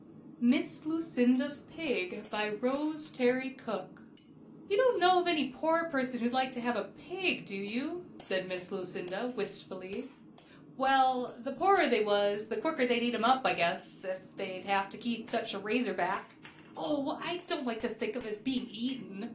MISS LUCINDA'S PIG. BY ROSE TERRY COOKE. "You don't know of any poor person who'd like to have a pig, do you?" said Miss Lucinda, wistfully. "Well, the poorer they was, the quicker they'd eat him up, I guess ef they could eat such a razor back." "Oh, I don't like to think of his being eaten!